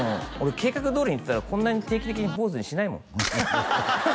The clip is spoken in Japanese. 俺計画どおりにいってたらこんなに定期的に坊主にしないもん